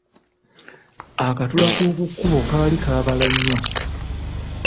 Akatula k’oku kkubo kaali kaabala nnyo.